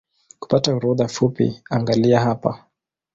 Kupata orodha fupi angalia hapa